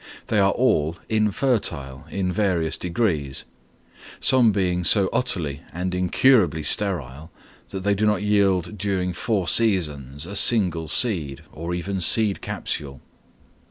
They are all infertile, in various degrees; some being so utterly and incurably sterile that they did not yield during four seasons a single seed or even seed capsule.